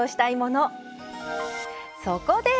そこで！